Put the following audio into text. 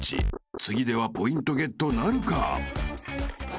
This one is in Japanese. ［次ではポイントゲットなるか？］